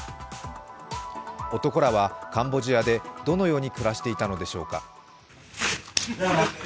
男らはカンボジアでどのように暮らしていたのでしょうか？